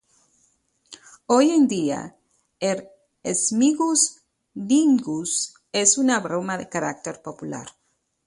Hoy en día el "śmigus-dyngus" es una broma de carácter popular.